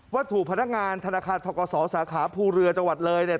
ว่าถูกพนักงานธนาคารทกศสาขาภูเรือจังหวัดเลยเนี่ย